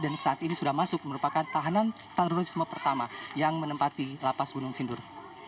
saat ini sudah masuk merupakan tahanan terorisme pertama yang menempati lapas gunung sindur